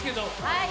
はい